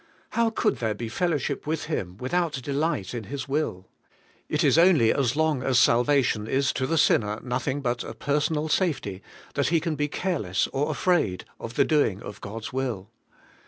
How could there be fellowship with Him without delight in His will? It is only as long as salvation is to the sinner nothing but a personal safety, that he can be care less or afraid of the doing of God's will.